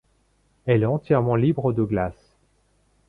Elle est entièrement libre de glace.